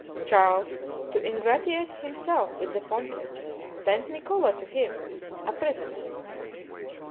Charles, to ingratiate himself with the pontiff, sent Niccolo to him, a prisoner.